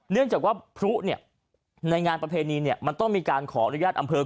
เนื่องจากว่าพลุเนี่ยในงานประเพณีเนี่ยมันต้องมีการขออนุญาตอำเภอ